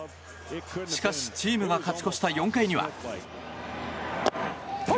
しかし、チームが勝ち越した４回には。